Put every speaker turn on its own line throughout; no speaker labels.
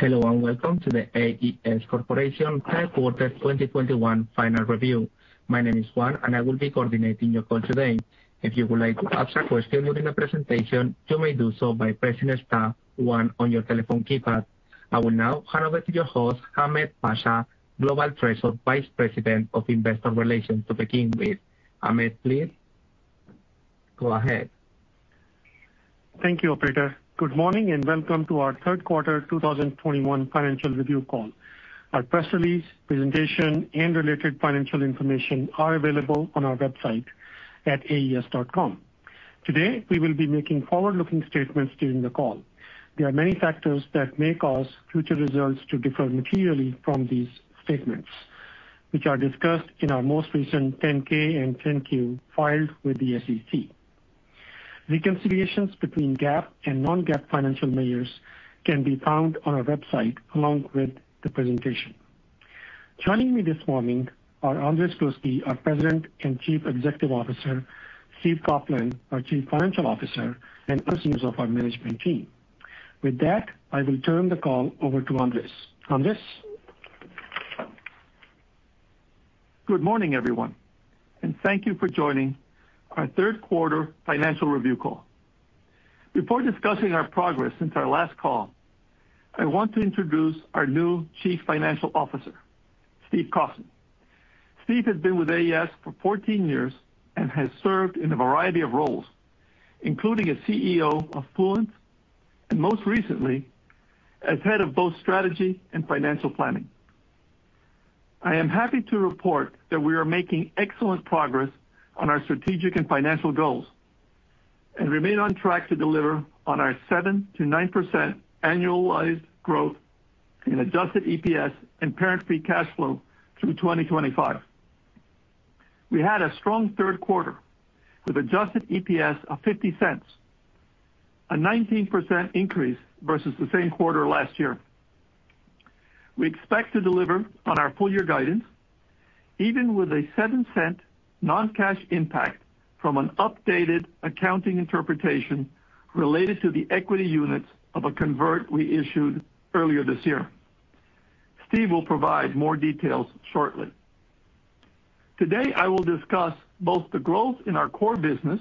Hello and welcome to the AES Corporation Third Quarter 2021 Final Review. My name is Juan and I will be coordinating your call today. If you would like to ask a question during the presentation, you may do so by pressing star one on your telephone keypad. I will now hand over to your host, Ahmed Pasha, Global Treasurer, Vice President of Investor Relations to begin with. Ahmed, please go ahead.
Thank you, operator. Good morning and welcome to our third quarter 2021 financial review call. Our press release, presentation, and related financial information are available on our website at aes.com. Today, we will be making forward-looking statements during the call. There are many factors that may cause future results to differ materially from these statements, which are discussed in our most recent 10-K and 10-Q filed with the SEC. Reconciliations between GAAP and non-GAAP financial measures can be found on our website along with the presentation. Joining me this morning are Andrés Gluski, our President and Chief Executive Officer, Steve Coffman, our Chief Financial Officer, and other members of our management team. With that, I will turn the call over to Andrés. Andrés?
Good morning, everyone, and thank you for joining our third quarter financial review call. Before discussing our progress since our last call, I want to introduce our new Chief Financial Officer, Steve Coffman. Steve has been with AES for 14 years and has served in a variety of roles, including as CEO of Fluence, and most recently, as head of both strategy and financial planning. I am happy to report that we are making excellent progress on our strategic and financial goals and remain on track to deliver on our 7%-9% annualized growth in adjusted EPS and parent free cash flow through 2025. We had a strong third quarter with adjusted EPS of $0.50, a 19% increase versus the same quarter last year. We expect to deliver on our full year guidance, even with a $0.07 non-cash impact from an updated accounting interpretation related to the equity units of a convertible we issued earlier this year. Steve will provide more details shortly. Today, I will discuss both the growth in our core business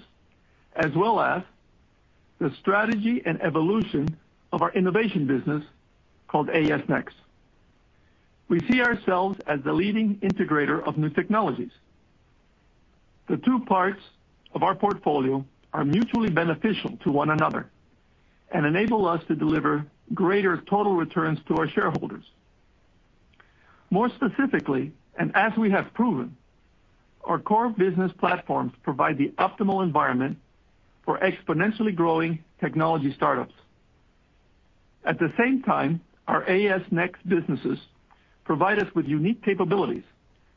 as well as the strategy and evolution of our innovation business called AES Next. We see ourselves as the leading integrator of new technologies. The two parts of our portfolio are mutually beneficial to one another and enable us to deliver greater total returns to our shareholders. More specifically, as we have proven, our core business platforms provide the optimal environment for exponentially growing technology startups. At the same time, our AES Next businesses provide us with unique capabilities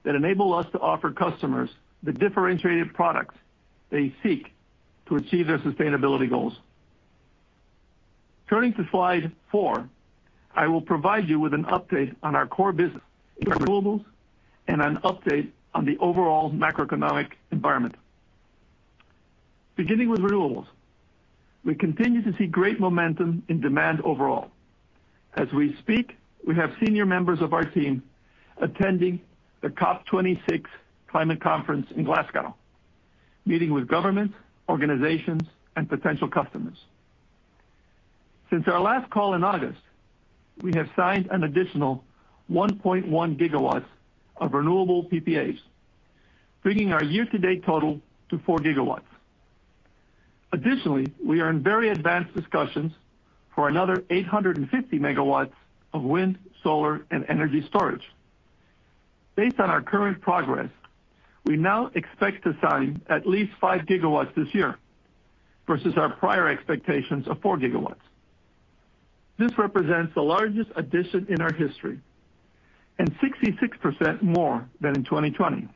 that enable us to offer customers the differentiated products they seek to achieve their sustainability goals. Turning to Slide 4, I will provide you with an update on our core business, renewables, and an update on the overall macroeconomic environment. Beginning with renewables, we continue to see great momentum in demand overall. As we speak, we have senior members of our team attending the COP26 climate conference in Glasgow, meeting with governments, organizations, and potential customers. Since our last call in August, we have signed an additional 1.1 GW of renewable PPAs, bringing our year-to-date total to 4 GW. Additionally, we are in very advanced discussions for another 850 MW of wind, solar, and energy storage. Based on our current progress, we now expect to sign at least 5 GW this year versus our prior expectations of 4 GW. This represents the largest addition in our history and 66% more than in 2020.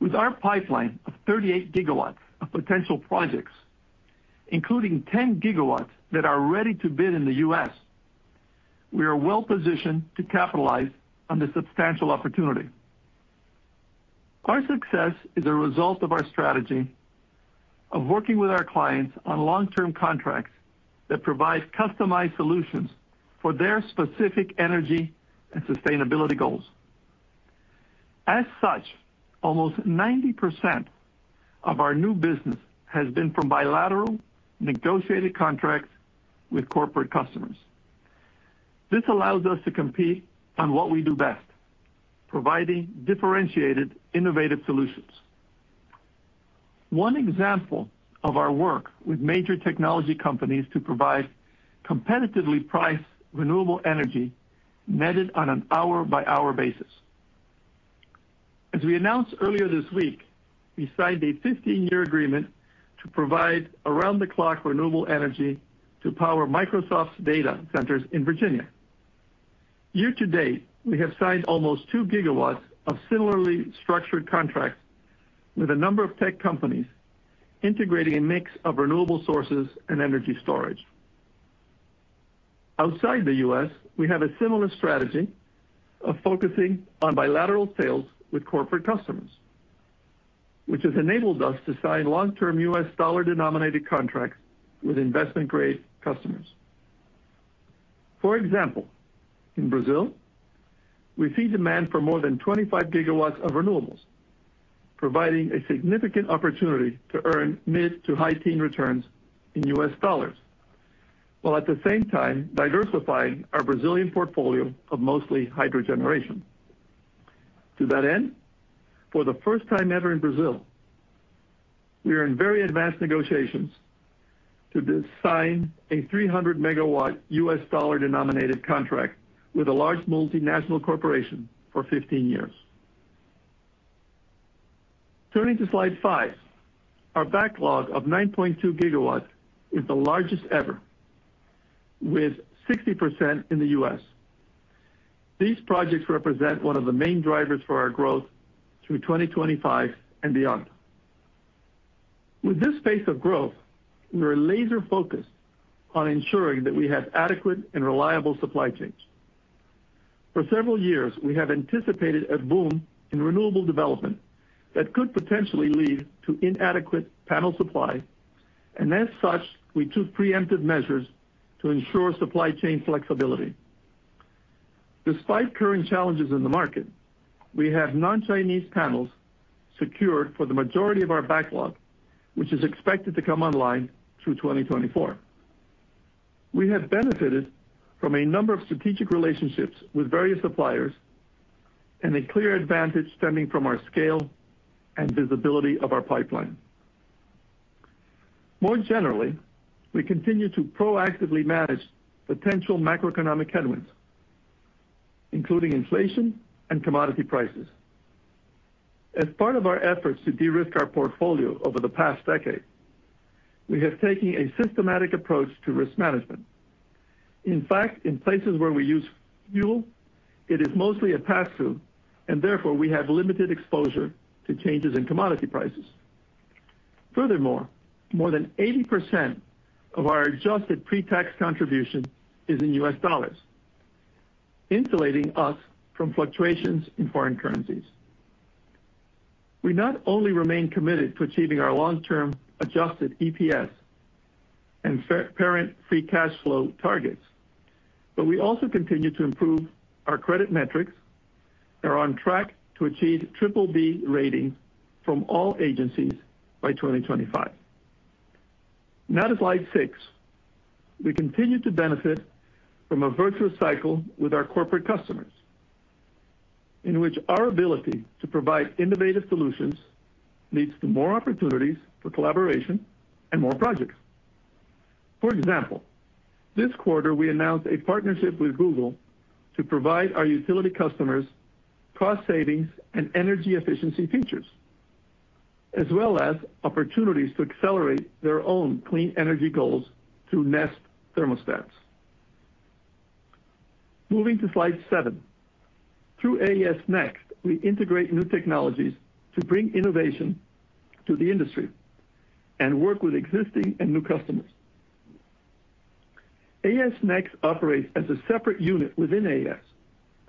With our pipeline of 38 GW of potential projects, including 10 GW that are ready to bid in the U.S., we are well-positioned to capitalize on the substantial opportunity. Our success is a result of our strategy of working with our clients on long-term contracts that provide customized solutions for their specific energy and sustainability goals. As such, almost 90% of our new business has been from bilateral negotiated contracts with corporate customers. This allows us to compete on what we do best, providing differentiated, innovative solutions, one example of our work with major technology companies to provide competitively priced renewable energy netted on an hour-by-hour basis. As we announced earlier this week, we signed a 15-year agreement to provide around-the-clock renewable energy to power Microsoft's data centers in Virginia. Year to date, we have signed almost 2 GW of similarly structured contracts with a number of tech companies integrating a mix of renewable sources and energy storage. Outside the U.S., we have a similar strategy of focusing on bilateral sales with corporate customers, which has enabled us to sign long-term U.S. dollar-denominated contracts with investment-grade customers. For example, in Brazil, we see demand for more than 25 GW of renewables, providing a significant opportunity to earn mid- to high-teens returns in U.S. dollars, while at the same time diversifying our Brazilian portfolio of mostly hydro generation. To that end, for the first time ever in Brazil, we are in very advanced negotiations to sign a 300-MW U.S. dollar-denominated contract with a large multinational corporation for 15 years. Turning to Slide 5. Our backlog of 9.2 GW is the largest ever, with 60% in the U.S. These projects represent one of the main drivers for our growth through 2025 and beyond. With this pace of growth, we are laser-focused on ensuring that we have adequate and reliable supply chains. For several years, we have anticipated a boom in renewable development that could potentially lead to inadequate panel supply, and as such, we took preemptive measures to ensure supply chain flexibility. Despite current challenges in the market, we have non-Chinese panels secured for the majority of our backlog, which is expected to come online through 2024. We have benefited from a number of strategic relationships with various suppliers and a clear advantage stemming from our scale and visibility of our pipeline. More generally, we continue to proactively manage potential macroeconomic headwinds, including inflation and commodity prices. As part of our efforts to de-risk our portfolio over the past decade, we have taken a systematic approach to risk management. In fact, in places where we use fuel, it is mostly a pass-through and therefore we have limited exposure to changes in commodity prices. Furthermore, more than 80% of our Adjusted Pre-Tax Contribution is in U.S. dollars, insulating us from fluctuations in foreign currencies. We not only remain committed to achieving our long-term Adjusted EPS and Parent Free Cash Flow targets, but we also continue to improve our credit metrics and are on track to achieve BBB rating from all agencies by 2025. Now to Slide 6. We continue to benefit from a virtuous cycle with our corporate customers in which our ability to provide innovative solutions leads to more opportunities for collaboration and more projects. For example, this quarter we announced a partnership with Google to provide our utility customers cost savings and energy efficiency features, as well as opportunities to accelerate their own clean energy goals through Nest thermostats. Moving to Slide 7. Through AES Next, we integrate new technologies to bring innovation to the industry and work with existing and new customers. AES Next operates as a separate unit within AES,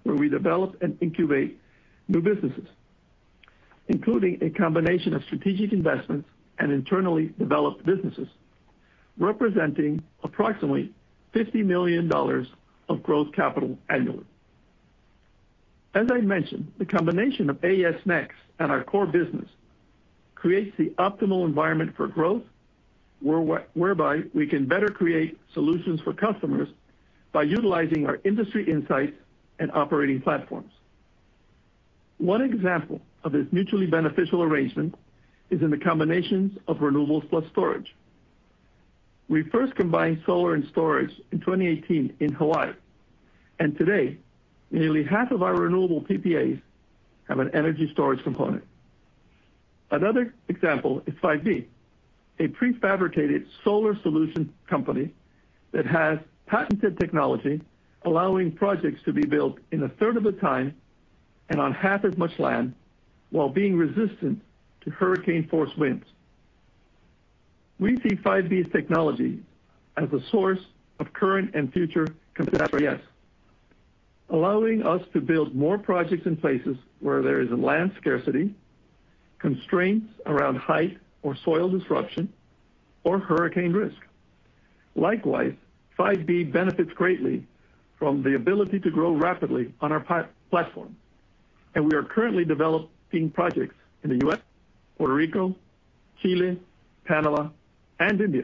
where we develop and incubate new businesses, including a combination of strategic investments and internally developed businesses, representing approximately $50 million of growth capital annually. As I mentioned, the combination of AES Next and our core business creates the optimal environment for growth, whereby we can better create solutions for customers by utilizing our industry insights and operating platforms. One example of this mutually beneficial arrangement is in the combinations of renewables plus storage. We first combined solar and storage in 2018 in Hawaii, and today nearly half of our renewable PPAs have an energy storage component. Another example is 5B, a prefabricated solar solution company that has patented technology allowing projects to be built in a third of the time and on half as much land while being resistant to hurricane-force winds. We see 5B's technology as a source of current and future AES, allowing us to build more projects in places where there is a land scarcity, constraints around height or soil disruption, or hurricane risk. Likewise, 5B benefits greatly from the ability to grow rapidly on our platform, and we are currently developing projects in the U.S., Puerto Rico, Chile, Panama and India.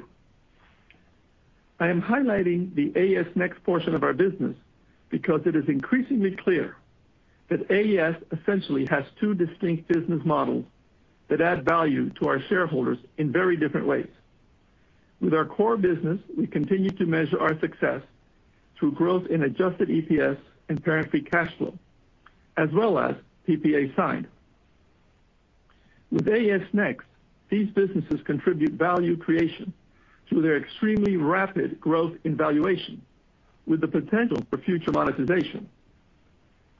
I am highlighting the AES Next portion of our business because it is increasingly clear that AES essentially has two distinct business models that add value to our shareholders in very different ways. With our core business, we continue to measure our success through growth in Adjusted EPS and Parent Free Cash Flow, as well as PPA signed. With AES Next, these businesses contribute value creation through their extremely rapid growth in valuation, with the potential for future monetization.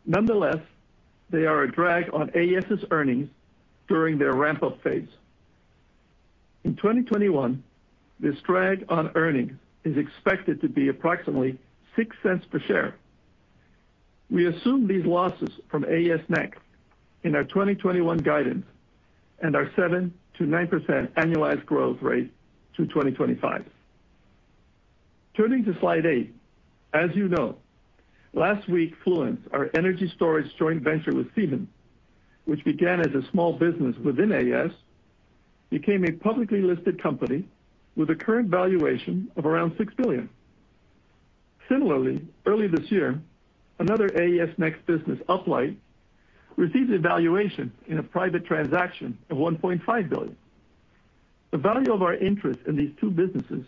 Nonetheless, they are a drag on AES's earnings during their ramp-up phase. In 2021, this drag on earnings is expected to be approximately $0.06 per share. We assume these losses from AES Next in our 2021 guidance and our 7%-9% annualized growth rate through 2025. Turning to Slide 8. As you know, last week, Fluence, our energy storage joint venture with Siemens, which began as a small business within AES, became a publicly listed company with a current valuation of around $6 billion. Similarly, early this year, another AES Next business, Uplight, received evaluation in a private transaction of $1.5 billion. The value of our interest in these two businesses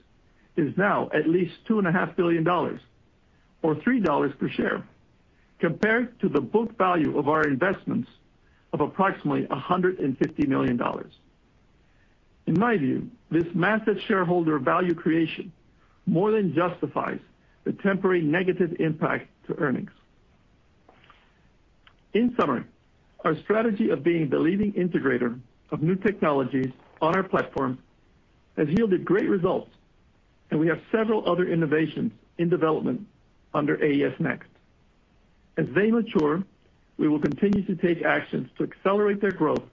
is now at least $2.5 billion or $3 per share, compared to the book value of our investments of approximately $150 million. In my view, this massive shareholder value creation more than justifies the temporary negative impact to earnings. In summary, our strategy of being the leading integrator of new technologies on our platform has yielded great results, and we have several other innovations in development under AES Next. As they mature, we will continue to take actions to accelerate their growth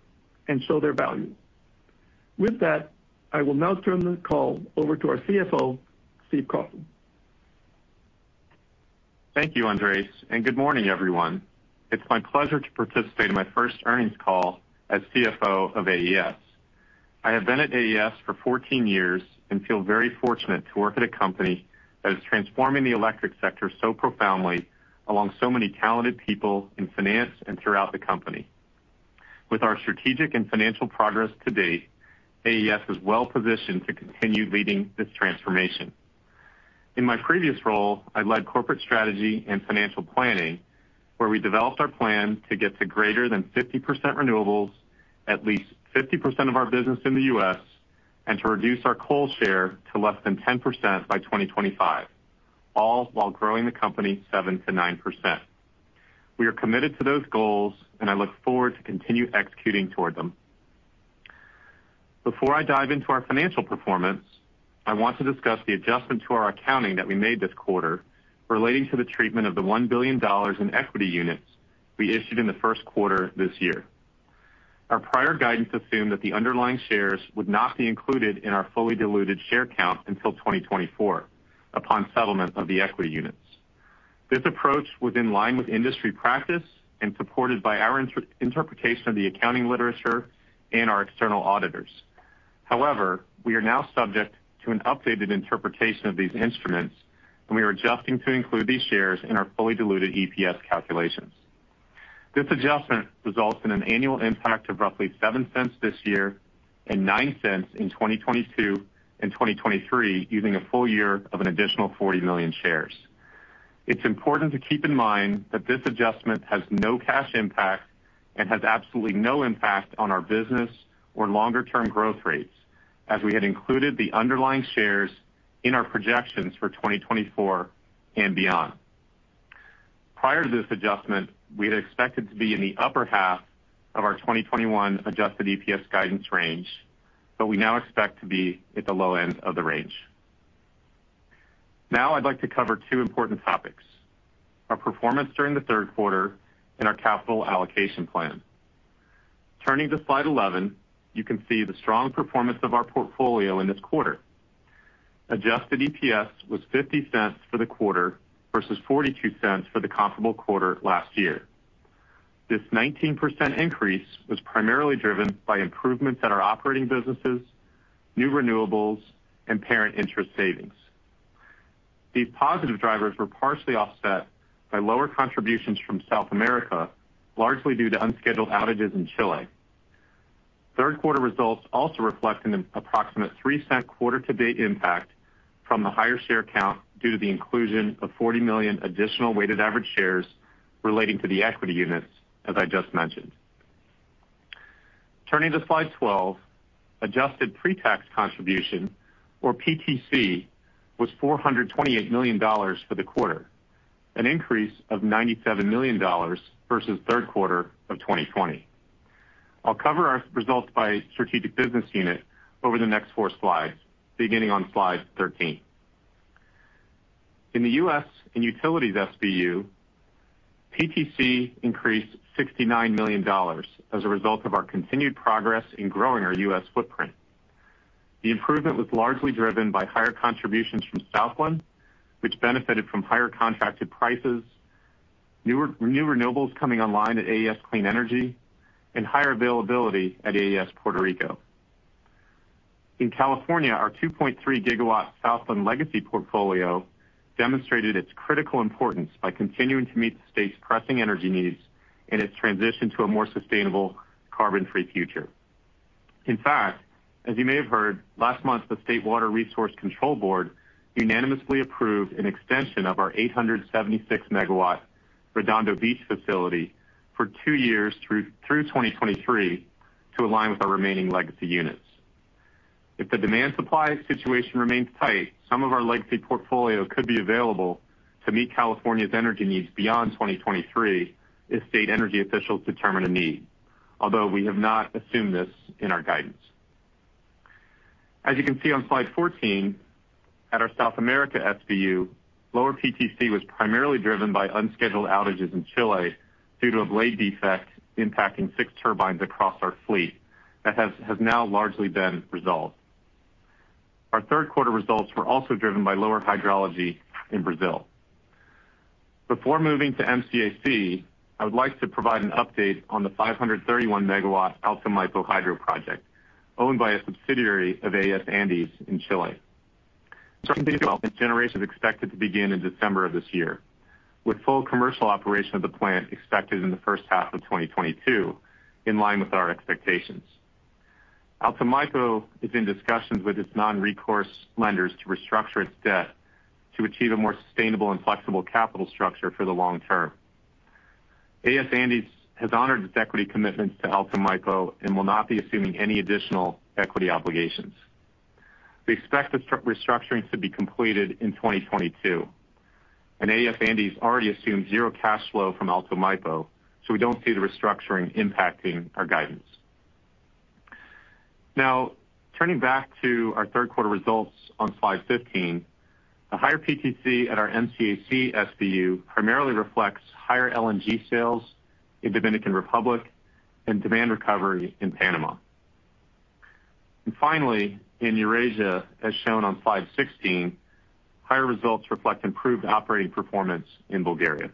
and show their value. With that, I will now turn the call over to our CFO, Steve Coffman.
Thank you, Andrés, and good morning, everyone. It's my pleasure to participate in my first earnings call as CFO of AES. I have been at AES for 14 years and feel very fortunate to work at a company that is transforming the electric sector so profoundly along so many talented people in finance and throughout the company. With our strategic and financial progress to date, AES is well-positioned to continue leading this transformation. In my previous role, I led corporate strategy and financial planning, where we developed our plan to get to greater than 50% renewables, at least 50% of our business in the U.S., and to reduce our coal share to less than 10% by 2025, all while growing the company 7%-9%. We are committed to those goals, and I look forward to continue executing toward them. Before I dive into our financial performance, I want to discuss the adjustment to our accounting that we made this quarter relating to the treatment of the $1 billion in Equity Units we issued in the first quarter this year. Our prior guidance assumed that the underlying shares would not be included in our fully diluted share count until 2024 upon settlement of the Equity Units. This approach was in line with industry practice and supported by our interpretation of the accounting literature and our external auditors. However, we are now subject to an updated interpretation of these instruments, and we are adjusting to include these shares in our fully diluted EPS calculations. This adjustment results in an annual impact of roughly $0.07 this year and $0.09 in 2022 and 2023, using a full year of an additional 40 million shares. It's important to keep in mind that this adjustment has no cash impact and has absolutely no impact on our business or longer-term growth rates, as we had included the underlying shares in our projections for 2024 and beyond. Prior to this adjustment, we had expected to be in the upper half of our 2021 adjusted EPS guidance range, but we now expect to be at the low end of the range. Now I'd like to cover two important topics, our performance during the third quarter and our capital allocation plan. Turning to Slide 11, you can see the strong performance of our portfolio in this quarter. Adjusted EPS was $0.50 for the quarter versus $0.42 for the comparable quarter last year. This 19% increase was primarily driven by improvements at our operating businesses, new renewables, and parent interest savings. These positive drivers were partially offset by lower contributions from South America, largely due to unscheduled outages in Chile. Third quarter results also reflect an approximate $0.03 quarter-to-date impact from the higher share count due to the inclusion of 40 million additional weighted average shares relating to the Equity Units, as I just mentioned. Turning to Slide 12, Adjusted Pre-Tax Contribution, or PTC, was $428 million for the quarter, an increase of $97 million versus third quarter of 2020. I'll cover our results by strategic business unit over the next four slides, beginning on Slide 13. In the U.S. and Utilities SBU, PTC increased $69 million as a result of our continued progress in growing our U.S. footprint. The improvement was largely driven by higher contributions from Southland, which benefited from higher contracted prices, new renewables coming online at AES Clean Energy, and higher availability at AES Puerto Rico. In California, our 2.3 GW Southland legacy portfolio demonstrated its critical importance by continuing to meet the state's pressing energy needs in its transition to a more sustainable carbon-free future. In fact, as you may have heard, last month the State Water Resources Control Board unanimously approved an extension of our 876 MW Redondo Beach facility for two years through 2023 to align with our remaining legacy units. If the demand supply situation remains tight, some of our legacy portfolio could be available to meet California's energy needs beyond 2023 if state energy officials determine a need, although we have not assumed this in our guidance. As you can see on Slide 14, at our South America SBU, lower PTC was primarily driven by unscheduled outages in Chile due to a blade defect impacting six turbines across our fleet that has now largely been resolved. Our third quarter results were also driven by lower hydrology in Brazil. Before moving to MCAC, I would like to provide an update on the 531 MW Alto Maipo hydro project owned by a subsidiary of AES Andes in Chile. Generation is expected to begin in December of this year, with full commercial operation of the plant expected in the first half of 2022, in line with our expectations. Alto Maipo is in discussions with its non-recourse lenders to restructure its debt to achieve a more sustainable and flexible capital structure for the long term. AES Andes has honored its equity commitments to Alto Maipo and will not be assuming any additional equity obligations. We expect the restructurings to be completed in 2022, and AES Andes already assumed zero cash flow from Alto Maipo, so we don't see the restructuring impacting our guidance. Now, turning back to our third quarter results on Slide 15, the higher PTC at our MCAC SBU primarily reflects higher LNG sales in Dominican Republic and demand recovery in Panama. Finally, in Eurasia, as shown on Slide 16, higher results reflect improved operating performance in Bulgaria.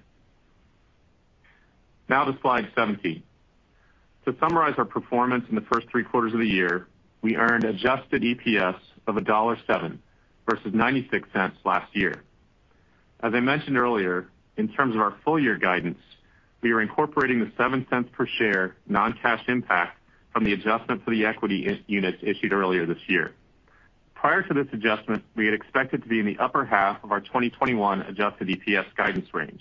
Now to Slide 17. To summarize our performance in the first three quarters of the year, we earned adjusted EPS of $1.07 versus $0.96 last year. As I mentioned earlier, in terms of our full year guidance, we are incorporating the $0.07 per share non-cash impact from the adjustment for the Equity Units issued earlier this year. Prior to this adjustment, we had expected to be in the upper half of our 2021 Adjusted EPS guidance range,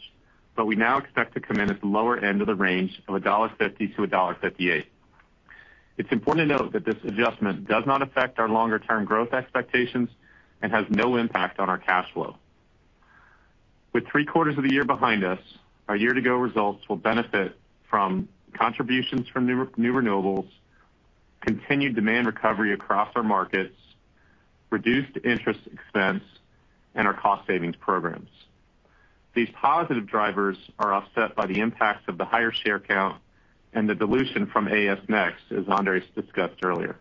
but we now expect to come in at the lower end of the range of $1.50-$1.58. It's important to note that this adjustment does not affect our longer-term growth expectations and has no impact on our cash flow. With three quarters of the year behind us, our year-to-go results will benefit from contributions from new renewables, continued demand recovery across our markets, reduced interest expense, and our cost savings programs. These positive drivers are offset by the impacts of the higher share count and the dilution from AES Next, as Andrés discussed earlier.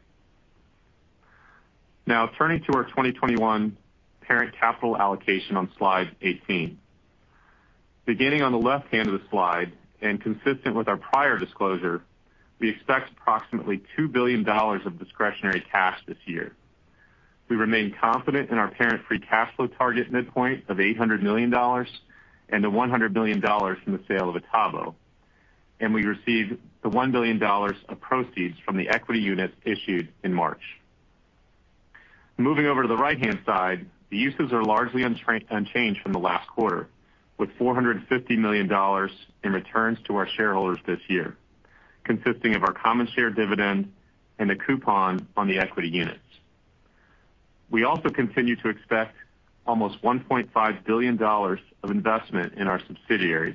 Now turning to our 2021 Parent capital allocation on Slide 18. Beginning on the left-hand side of the slide, and consistent with our prior disclosure, we expect approximately $2 billion of discretionary cash this year. We remain confident in our Parent Free Cash Flow target midpoint of $800 million and the $100 million from the sale of Itabo, and we received the $1 billion of proceeds from the Equity Units issued in March. Moving over to the right-hand side, the uses are largely unchanged from the last quarter, with $450 million in returns to our shareholders this year, consisting of our common share dividend and the coupon on the Equity Units. We continue to expect almost $1.5 billion of investment in our subsidiaries,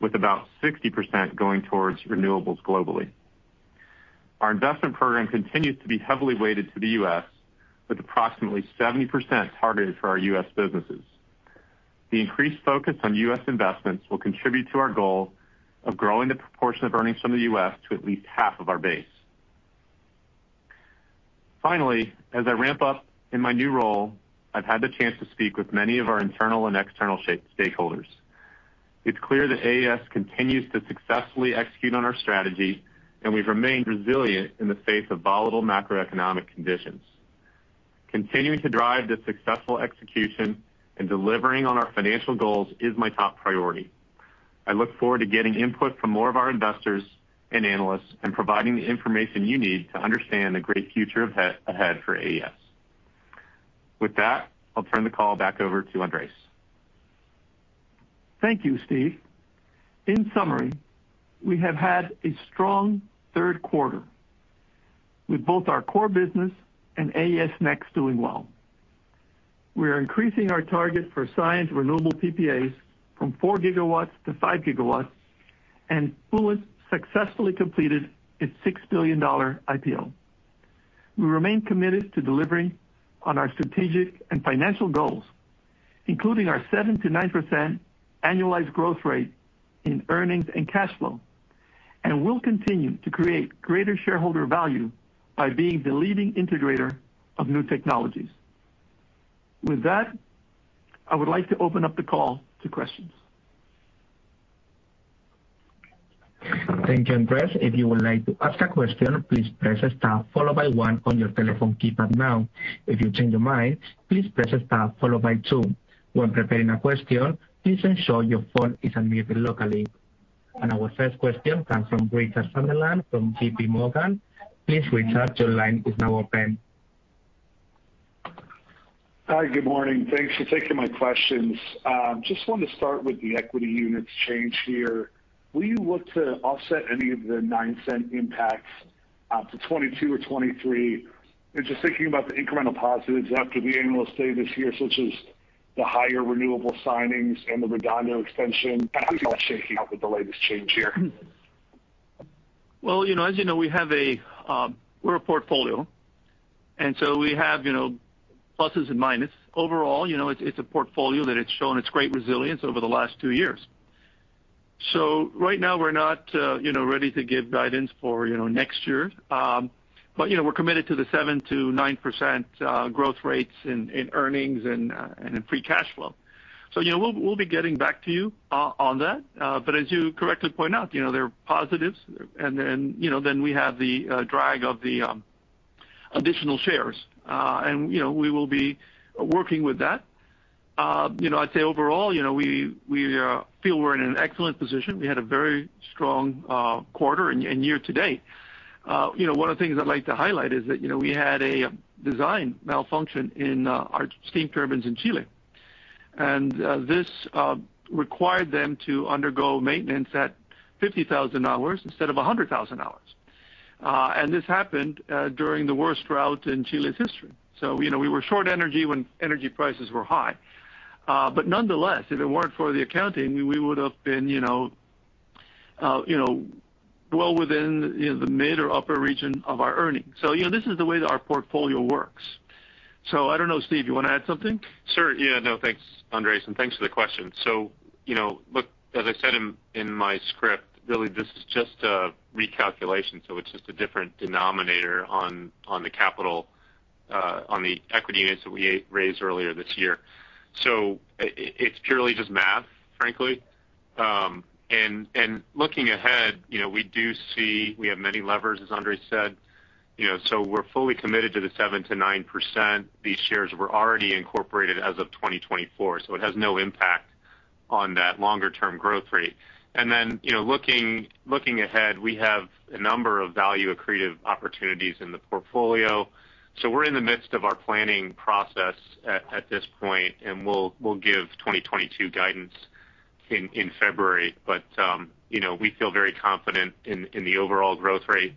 with about 60% going towards renewables globally. Our investment program continues to be heavily weighted to the U.S., with approximately 70% targeted for our U.S. businesses. The increased focus on U.S. investments will contribute to our goal of growing the proportion of earnings from the U.S. to at least half of our base. Finally, as I ramp up in my new role, I've had the chance to speak with many of our internal and external stakeholders. It's clear that AES continues to successfully execute on our strategy, and we've remained resilient in the face of volatile macroeconomic conditions. Continuing to drive this successful execution and delivering on our financial goals is my top priority. I look forward to getting input from more of our investors and analysts and providing the information you need to understand the great future ahead for AES. With that, I'll turn the call back over to Andrés.
Thank you, Steve. In summary, we have had a strong third quarter with both our core business and AES Next doing well. We are increasing our target for signed renewable PPAs from 4 GW to 5 GW, and Fluence successfully completed its $6 billion IPO. We remain committed to delivering on our strategic and financial goals, including our 7%-9% annualized growth rate in earnings and cash flow, and we'll continue to create greater shareholder value by being the leading integrator of new technologies. With that, I would like to open up the call to questions.
Thank you, Andrés. Our first question comes from Richard Sunderland from JPMorgan. Please, Richard, your line is now open.
Hi, good morning. Thanks for taking my questions. Just wanted to start with the Equity Units change here. Will you look to offset any of the $0.09 impacts? Out to 2022 or 2023. Just thinking about the incremental positives after the annual stay this year, such as the higher renewable signings and the Redondo extension, how's that shaking out with the latest change here?
Well, you know, as you know, we're a portfolio, and so we have, you know, pluses and minuses. Overall, you know, it's a portfolio that it's shown its great resilience over the last two years. Right now we're not, you know, ready to give guidance for, you know, next year. You know, we're committed to the 7%-9% growth rates in earnings and in free cash flow. You know, we'll be getting back to you on that. As you correctly point out, you know, there are positives and then, you know, we have the drag of the additional shares. You know, we will be working with that. You know, I'd say overall, you know, we feel we're in an excellent position. We had a very strong quarter and year to date. You know, one of the things I'd like to highlight is that, you know, we had a design malfunction in our steam turbines in Chile. This required them to undergo maintenance at 50,000 hours instead of 100,000 hours. This happened during the worst drought in Chile's history. You know, we were short energy when energy prices were high. Nonetheless, if it weren't for the accounting, we would've been, you know, you know, well within the mid or upper region of our earnings. You know, this is the way that our portfolio works. I don't know, Steve, you wanna add something?
Sure. Yeah. No, thanks, Andrés, and thanks for the question. You know, look, as I said in my script, really this is just a recalculation, it's just a different denominator on the capital on the equity units that we raised earlier this year. It's purely just math, frankly. And looking ahead, you know, we do see we have many levers, as Andrés said, you know. We're fully committed to the 7%-9%. These shares were already incorporated as of 2024, so it has no impact on that longer term growth rate. You know, looking ahead, we have a number of value accretive opportunities in the portfolio. We're in the midst of our planning process at this point, and we'll give 2022 guidance in February. You know, we feel very confident in the overall growth rate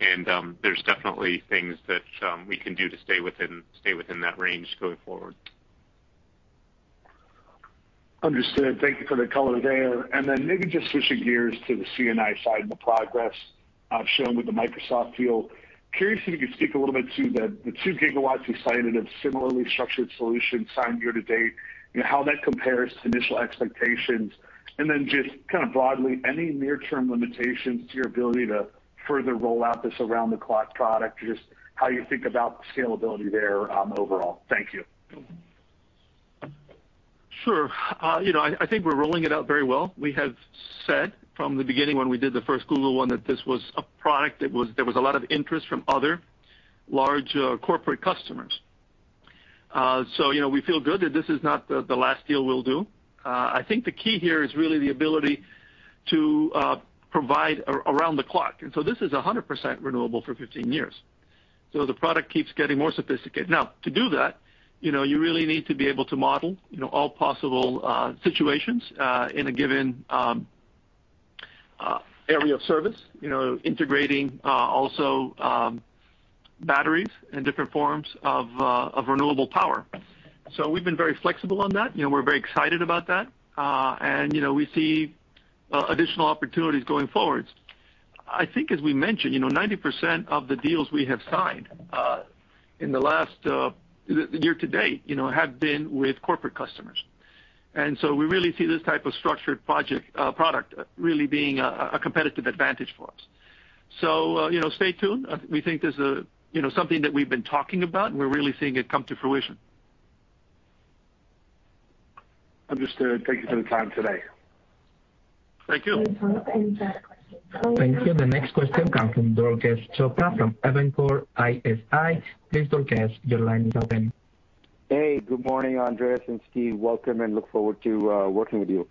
and there's definitely things that we can do to stay within that range going forward.
Understood. Thank you for the color there. Maybe just switching gears to the C&I side and the progress shown with the Microsoft deal. Curious if you could speak a little bit to the two gigawatts you cited of similarly structured solutions signed year to date. You know, how that compares to initial expectations? Just kind of broadly, any near term limitations to your ability to further roll out this around the clock product, just how you think about the scalability there, overall. Thank you.
Sure. You know, I think we're rolling it out very well. We have said from the beginning when we did the first Google one, that this was a product that there was a lot of interest from other large corporate customers. You know, we feel good that this is not the last deal we'll do. I think the key here is really the ability to provide around the clock. This is 100% renewable for 15 years. The product keeps getting more sophisticated. Now, to do that, you know, you really need to be able to model you know all possible situations in a given area of service, you know, integrating also batteries and different forms of renewable power. We've been very flexible on that. You know, we're very excited about that. You know, we see additional opportunities going forward. I think as we mentioned, you know, 90% of the deals we have signed in the last year to date, you know, have been with corporate customers. We really see this type of structured project product really being a competitive advantage for us. You know, stay tuned. We think there's you know, something that we've been talking about and we're really seeing it come to fruition.
Understood. Thank you for the time today.
Thank you.
Thank you. The next question comes from Durgesh Chopra from Evercore ISI. Please Durgesh, your line is open.
Hey, good morning, Andrés and Steve. Welcome, and look forward to working with you.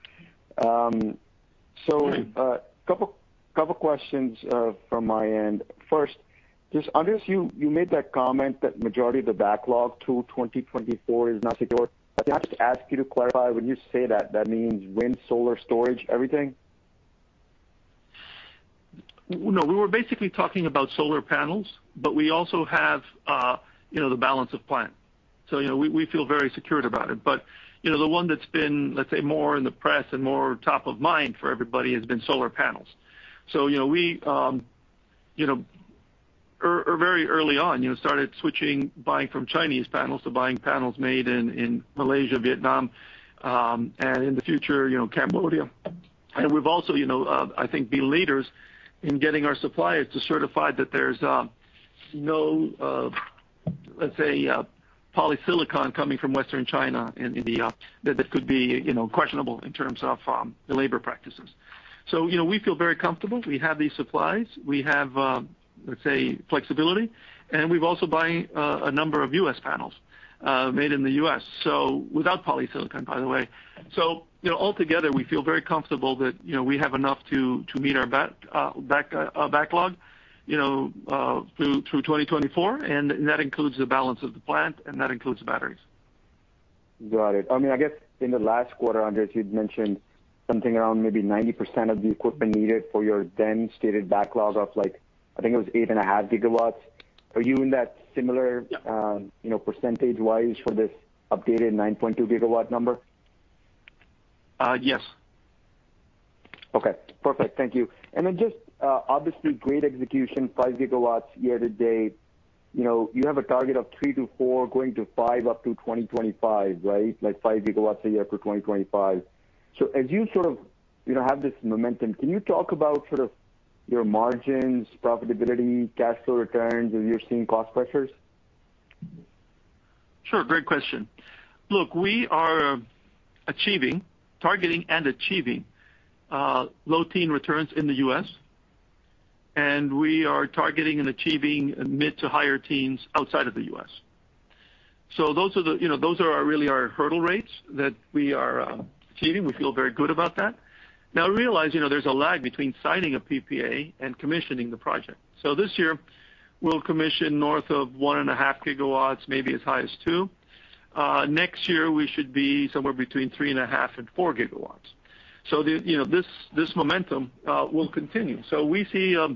Couple questions from my end. First, just Andrés, you made that comment that majority of the backlog through 2024 is not secure. Can I just ask you to clarify when you say that means wind, solar, storage, everything?
No, we were basically talking about solar panels, but we also have, you know, the balance of plant. You know, we feel very secure about it. You know, the one that's been, let's say, more in the press and more top of mind for everybody has been solar panels. You know, we very early on, you know, started switching from buying Chinese panels to buying panels made in Malaysia, Vietnam, and in the future, you know, Cambodia. We've also, you know, I think been leaders in getting our suppliers to certify that there's no, let's say, polysilicon coming from western China, in India that could be, you know, questionable in terms of the labor practices. You know, we feel very comfortable. We have these supplies. We have, let's say, flexibility, and we're also buying a number of U.S. panels made in the U.S., so without polysilicon, by the way. You know, altogether we feel very comfortable that, you know, we have enough to meet our backlog, you know, through 2024, and that includes the balance of the plant, and that includes the batteries.
Got it. I mean, I guess in the last quarter, Andrés, you'd mentioned something around maybe 90% of the equipment needed for your then stated backlog of like, I think it was 8.5 GW. Are you in that similar, you know, percentage-wise for this updated 9.2 GW number?
Yes.
Okay, perfect. Thank you. Just, obviously great execution, 5 GW year to date. You know, you have a target of 3-4 going to 5 up to 2025, right? Like 5 GW a year for 2025. As you sort of, you know, have this momentum, can you talk about sort of your margins, profitability, cash flow returns? Are you seeing cost pressures?
Sure. Great question. Look, we are targeting and achieving low-teens returns in the U.S., and we are targeting and achieving mid- to higher-teens returns outside of the U.S. Those are our really our hurdle rates that we are achieving. We feel very good about that. Now realize, you know, there's a lag between signing a PPA and commissioning the project. This year we'll commission north of 1.5 GW, maybe as high as 2 GW. Next year we should be somewhere between 3.5-4 GW. This momentum will continue. We see, you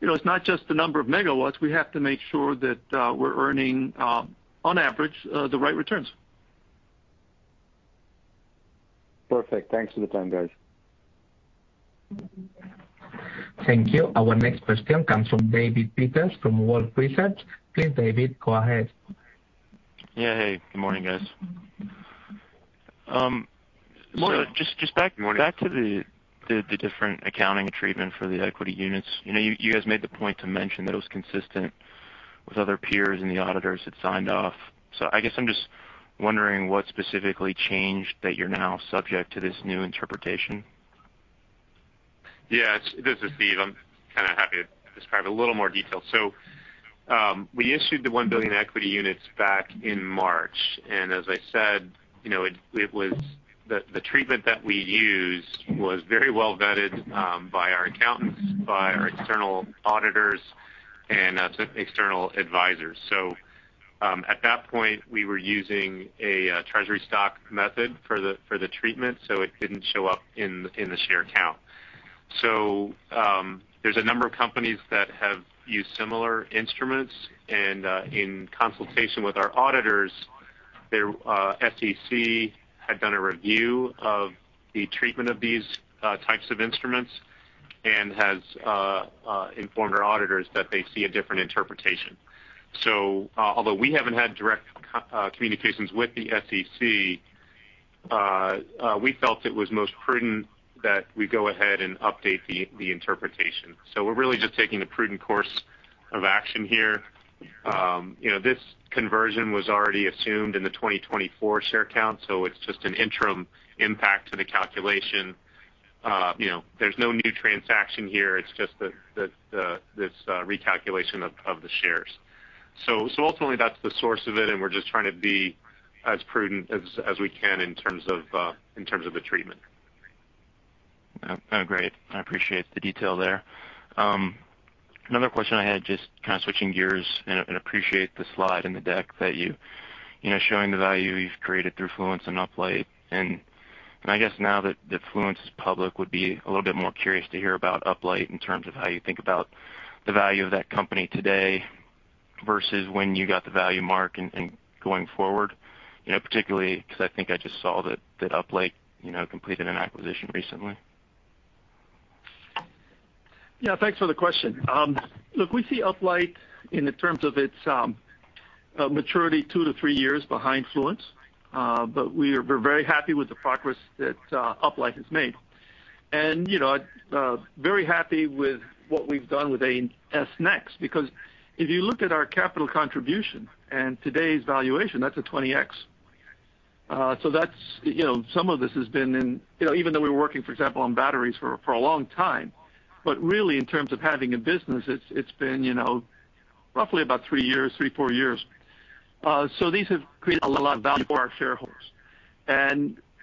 know, it's not just the number of megawatts. We have to make sure that we're earning on average the right returns.
Perfect. Thanks for the time, guys.
Thank you. Our next question comes from David Peters from Wolfe Research. Please, David, go ahead.
Yeah. Hey, good morning, guys.
Morning.
Just back
Morning.
Back to the different accounting treatment for the equity units. You know, you guys made the point to mention that it was consistent with other peers and the auditors had signed off. I guess I'm just wondering what specifically changed that you're now subject to this new interpretation.
Yeah, this is Steve. I'm kind of happy to describe a little more detail. We issued the $1 billion equity units back in March, and as I said, you know, it was the treatment that we used was very well vetted by our accountants, by our external auditors and external advisors. At that point, we were using a treasury stock method for the treatment, so it didn't show up in the share count. There's a number of companies that have used similar instruments, and in consultation with our auditors, the SEC had done a review of the treatment of these types of instruments and has informed our auditors that they see a different interpretation. Although we haven't had direct communications with the SEC, we felt it was most prudent that we go ahead and update the interpretation. We're really just taking a prudent course of action here. You know, this conversion was already assumed in the 2024 share count, so it's just an interim impact to the calculation. You know, there's no new transaction here. It's just that this recalculation of the shares. Ultimately, that's the source of it, and we're just trying to be as prudent as we can in terms of the treatment.
Oh, great. I appreciate the detail there. Another question I had, just kind of switching gears and appreciate the slide in the deck that you know, showing the value you've created through Fluence and Uplight. I guess now that Fluence is public would be a little bit more curious to hear about Uplight in terms of how you think about the value of that company today versus when you got the value mark and going forward, you know, particularly 'cause I think I just saw that Uplight completed an acquisition recently.
Yeah. Thanks for the question. Look, we see Uplight in terms of its maturity 2-3 years behind Fluence. We're very happy with the progress that Uplight has made. You know, very happy with what we've done with AES Next, because if you look at our capital contribution and today's valuation, that's a 20x. That's, you know, some of this has been in, you know, even though we're working, for example, on batteries for a long time, but really in terms of having a business, it's been, you know, roughly about 3-4 years. These have created a lot of value for our shareholders.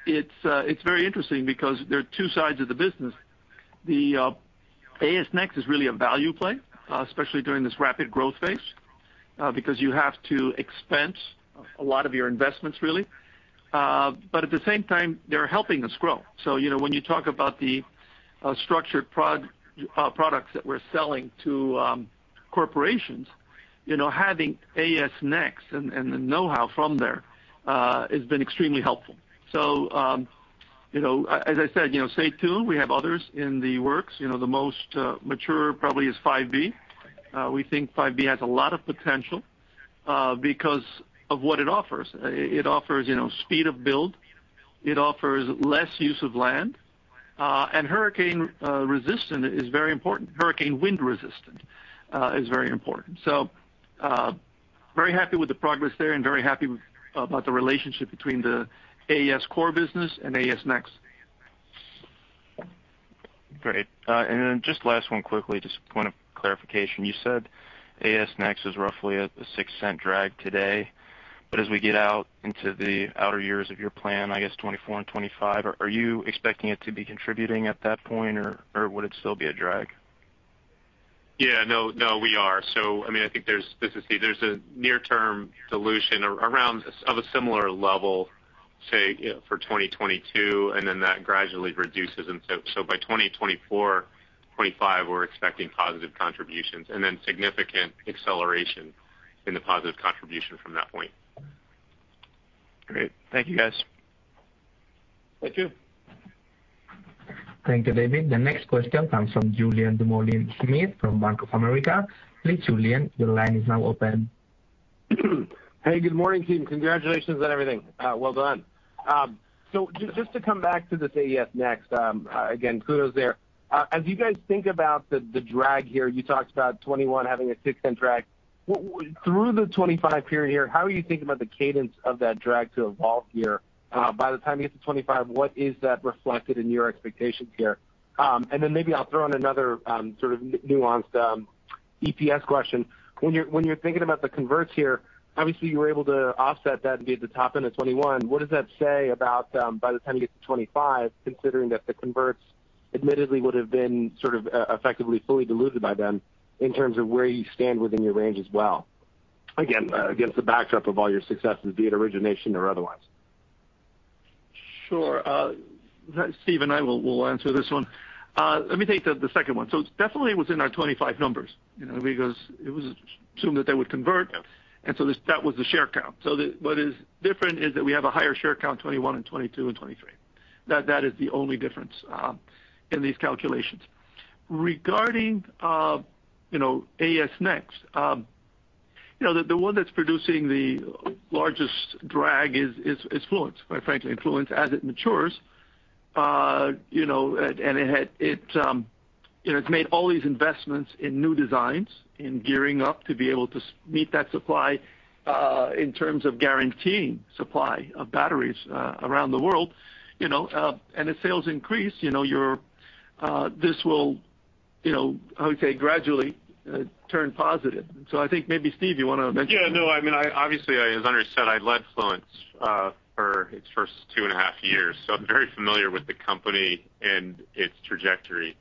It's very interesting because there are two sides of the business. The AES Next is really a value play, especially during this rapid growth phase, because you have to expense a lot of your investments really. At the same time, they're helping us grow. You know, when you talk about the structured products that we're selling to corporations, you know, having AES Next and the know-how from there has been extremely helpful. You know, as I said, you know, stay tuned. We have others in the works. You know, the most mature probably is 5B. We think 5B has a lot of potential because of what it offers. It offers, you know, speed of build. It offers less use of land. And hurricane resistant is very important. Hurricane wind resistant is very important. Very happy with the progress there and very happy about the relationship between the AES core business and AES Next.
Great. Then just last one quickly, just point of clarification. You said AES Next is roughly a $0.06 drag today, but as we get out into the outer years of your plan, I guess 2024 and 2025, are you expecting it to be contributing at that point or would it still be a drag?
Yeah, no, we are. I mean, I think there's a near-term dilution around of a similar level, say, you know, for 2022, and then that gradually reduces. By 2024, 2025, we're expecting positive contributions and then significant acceleration in the positive contribution from that point.
Great. Thank you, guys.
Thank you.
Thank you, David. The next question comes from Julien Dumoulin-Smith from Bank of America. Please, Julien, the line is now open.
Hey, good morning, team. Congratulations on everything. Well done. Just to come back to this AES Next, again, kudos there. As you guys think about the drag here, you talked about 2021 having a $0.06 drag. Through the 2025 period here, how are you thinking about the cadence of that drag to evolve here? By the time you get to 2025, what is that reflected in your expectations here? And then maybe I'll throw in another sort of nuanced EPS question. When you're thinking about the converts here, obviously you were able to offset that and be at the top end of 2021. What does that say about, by the time you get to 25, considering that the converts admittedly would've been sort of, effectively fully diluted by then in terms of where you stand within your range as well? Again, against the backdrop of all your successes, be it origination or otherwise.
Sure. Steve and I will answer this one. Let me take the second one. It's definitely within our 25 numbers, you know, because it was assumed that they would convert.
Yeah.
That was the share count. What is different is that we have a higher share count, 2021 and 2022 and 2023. That is the only difference in these calculations. Regarding AES Next, you know, the one that's producing the largest drag is Fluence, quite frankly. Fluence as it matures, you know, and it, you know, it's made all these investments in new designs, in gearing up to be able to meet that supply in terms of guaranteeing supply of batteries around the world, you know, and if sales increase, you know, this will, you know, I would say, gradually turn positive. I think maybe Steve, you wanna mention?
Yeah, no. I mean, I obviously, as Andrés said, I led Fluence for its first two and a half years, so I'm very familiar with the company and its trajectory.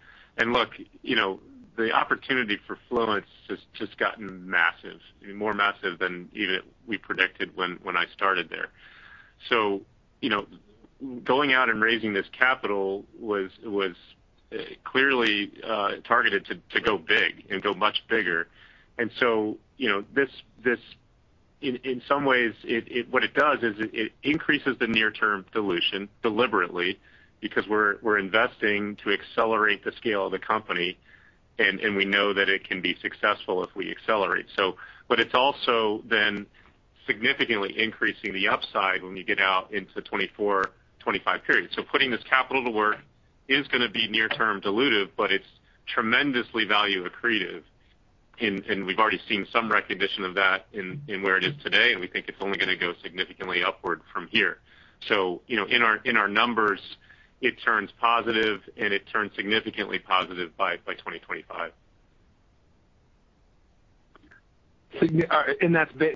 Look, you know, the opportunity for Fluence has just gotten massive, more massive than even we predicted when I started there. You know, going out and raising this capital was clearly targeted to go big and go much bigger. You know, this in some ways, it what it does is it increases the near-term dilution deliberately because we're investing to accelerate the scale of the company, and we know that it can be successful if we accelerate. It's also then significantly increasing the upside when we get out into 2024, 2025 period. Putting this capital to work is gonna be near-term dilutive, but it's tremendously value accretive and we've already seen some recognition of that in where it is today, and we think it's only gonna go significantly upward from here. You know, in our numbers, it turns positive and it turns significantly positive by 2025.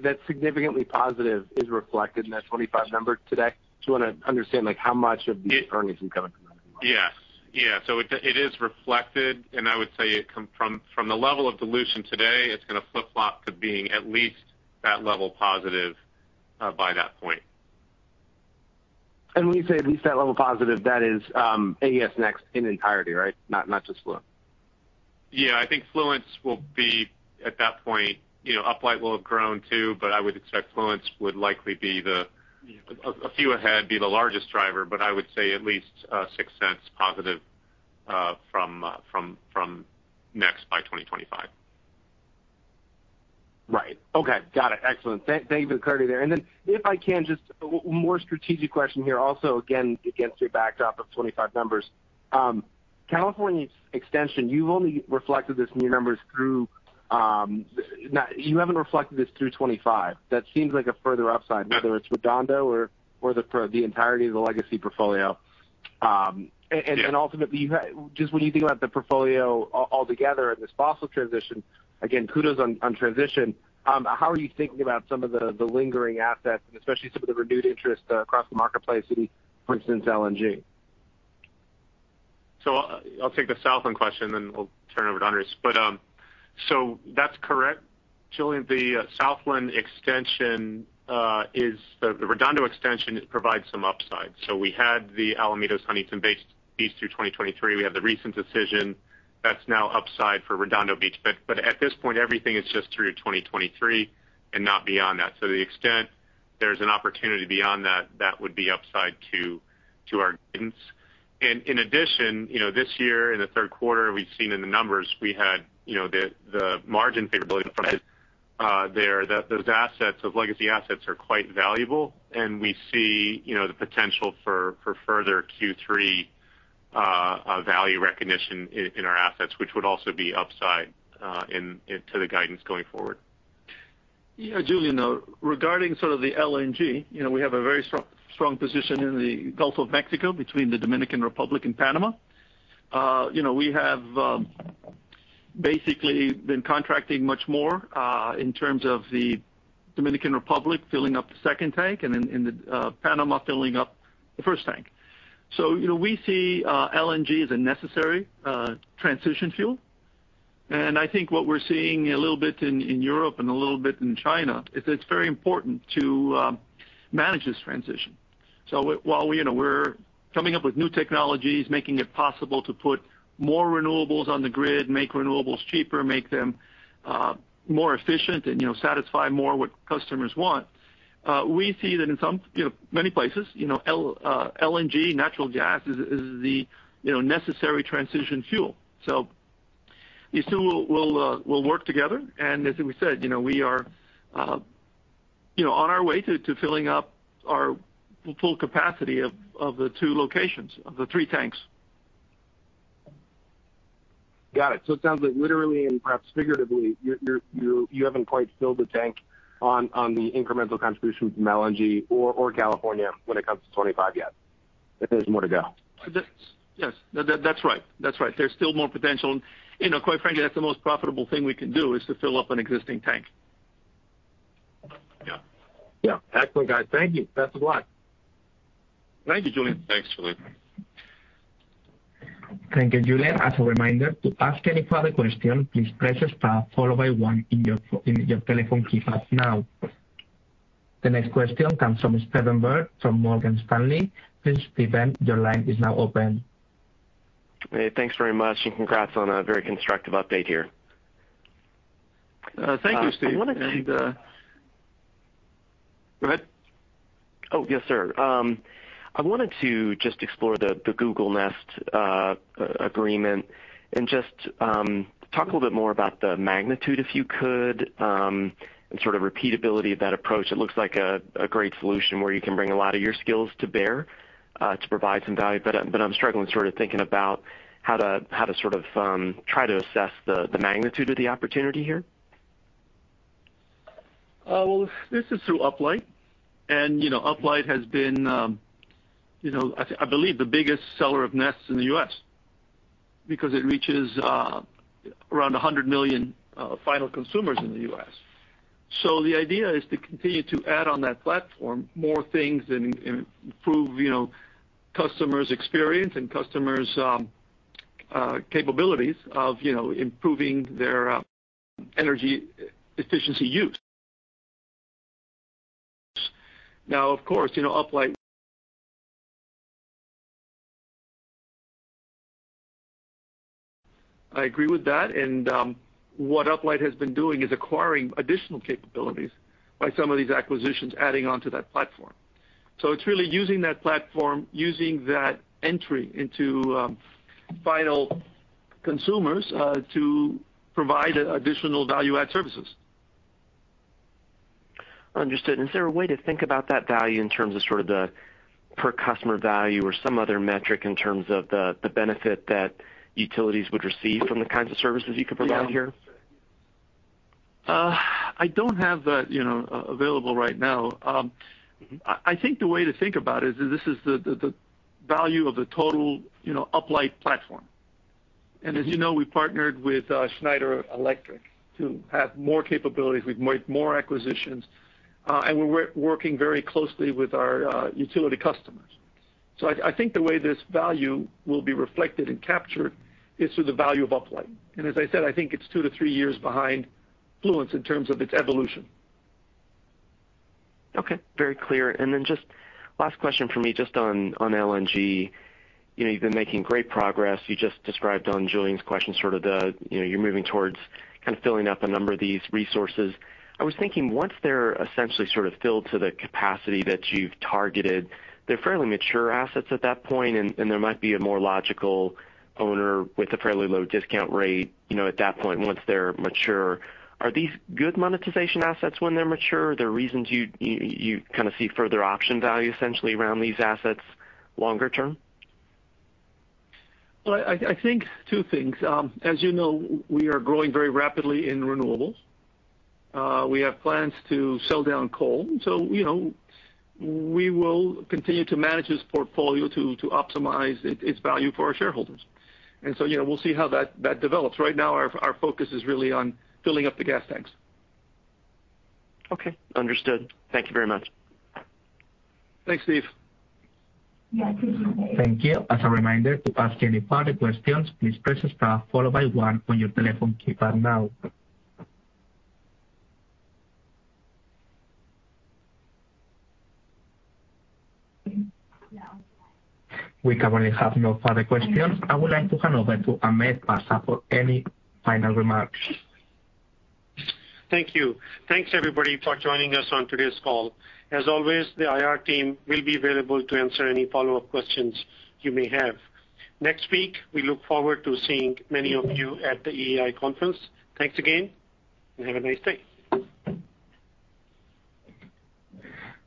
That's significantly positive is reflected in that 25 number today? Just wanna understand like how much of the earnings incoming from that as well.
Yes. Yeah. It is reflected, and I would say it comes from the level of dilution today. It's gonna flip-flop to being at least that level positive by that point.
When you say at least that level positive, that is, AES Next in entirety, right? Not just Fluence.
Yeah. I think Fluence will be at that point, you know, Uplight will have grown too, but I would expect Fluence would likely be the a few ahead, be the largest driver. I would say at least $0.06 positive from Next by 2025.
Right. Okay. Got it. Excellent. Thank you for the clarity there. If I can just one more strategic question here. Also again, against your backdrop of 2025 numbers. California's extension, you've only reflected this in your numbers through. You haven't reflected this through 2025. That seems like a further upside, whether it's Redondo or the entirety of the legacy portfolio. Ultimately just when you think about the portfolio altogether and this fossil transition, again, kudos on transition. How are you thinking about some of the lingering assets and especially some of the renewed interest across the marketplace, for instance, LNG?
I'll take the Southland question, then we'll turn it over to Andrés. That's correct, Julien. The Southland extension. The Redondo extension provides some upside. We had the Alamitos-Huntington base lease through 2023. We have the recent decision that's now upside for Redondo Beach. But at this point, everything is just through to 2023 and not beyond that. To the extent there's an opportunity beyond that would be upside to our guidance. In addition, you know, this year in the third quarter, we've seen in the numbers we had, you know, the margin profitability up front there. Those assets, those legacy assets are quite valuable, and we see, you know, the potential for further Q3 value recognition in our assets, which would also be upside to the guidance going forward.
Yeah, Julien. Regarding sort of the LNG, you know, we have a very strong position in the Gulf of Mexico between the Dominican Republic and Panama. You know, we have basically been contracting much more in terms of the Dominican Republic filling up the second tank and then in the Panama filling up the first tank. You know, we see LNG as a necessary transition fuel. I think what we're seeing a little bit in Europe and a little bit in China is it's very important to manage this transition. While we're coming up with new technologies, making it possible to put more renewables on the grid, make renewables cheaper, make them more efficient and satisfy more what customers want, we see that in some many places LNG natural gas is the necessary transition fuel. These two will work together. As we said, we are on our way to filling up our full capacity of the two locations of the three tanks.
Got it. It sounds like literally and perhaps figuratively, you haven't quite filled the tank on the incremental contribution from LNG or California when it comes to 25 yet. That there's more to go.
Yes. That's right. There's still more potential. You know, quite frankly, that's the most profitable thing we can do, is to fill up an existing tank.
Yeah. Yeah. Excellent, guys. Thank you. Best of luck.
Thank you, Julien.
Thanks, Julien.
Thank you, Julien. As a reminder, to ask any further questions, please press star followed by one in your telephone keypad now. The next question comes from Stephen Byrd from Morgan Stanley. Please, Stephen, your line is now open.
Hey, thanks very much, and congrats on a very constructive update here.
Thank you, Steve.
I wanted to-
Go ahead.
Oh, yes, sir. I wanted to just explore the Google Nest agreement and just talk a little bit more about the magnitude, if you could, and sort of repeatability of that approach. It looks like a great solution where you can bring a lot of your skills to bear to provide some value, but I'm struggling sort of thinking about how to try to assess the magnitude of the opportunity here.
Well, this is through Uplight. You know, Uplight has been, you know, I believe the biggest seller of Nest in the U.S. because it reaches around 100 million final consumers in the U.S. The idea is to continue to add on that platform more things and improve, you know, customers' experience and customers' capabilities of, you know, improving their energy efficiency use. Now, of course, you know, Uplight, I agree with that. What Uplight has been doing is acquiring additional capabilities by some of these acquisitions adding on to that platform. It's really using that platform, using that entry into final consumers to provide additional value add services.
Understood. Is there a way to think about that value in terms of sort of the per customer value or some other metric in terms of the benefit that utilities would receive from the kinds of services you could provide here?
Yeah. I don't have that, you know, available right now. I think the way to think about it is this is the value of the total, you know, Uplight platform. As you know, we partnered with Schneider Electric to have more capabilities. We've made more acquisitions, and we're working very closely with our utility customers. I think the way this value will be reflected and captured is through the value of Uplight. As I said, I think it's 2-3 years behind Fluence in terms of its evolution.
Okay, very clear. Then just last question for me, just on LNG. You know, you've been making great progress. You just described on Julien's question sort of the, you know, you're moving towards kind of filling up a number of these resources. I was thinking once they're essentially sort of filled to the capacity that you've targeted, they're fairly mature assets at that point, and there might be a more logical owner with a fairly low discount rate, you know, at that point, once they're mature. Are these good monetization assets when they're mature? Are there reasons you kind of see further option value essentially around these assets longer term?
Well, I think two things. As you know, we are growing very rapidly in renewables. We have plans to sell down coal. You know, we will continue to manage this portfolio to optimize its value for our shareholders. You know, we'll see how that develops. Right now our focus is really on filling up the gas tanks.
Okay. Understood. Thank you very much.
Thanks, Steve.
Thank you. As a reminder, to ask any further questions, please press star followed by one on your telephone keypad now. We currently have no further questions. I would like to hand over to Ahmed Pasha for any final remarks.
Thank you. Thanks, everybody, for joining us on today's call. As always, the IR team will be available to answer any follow-up questions you may have. Next week, we look forward to seeing many of you at the EEI conference. Thanks again, and have a nice day.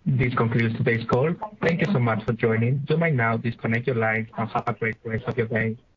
This concludes today's call. Thank you so much for joining. You may now disconnect your line and have a great rest of your day.